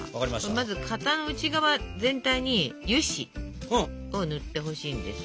まず型の内側全体に油脂を塗ってほしいんです。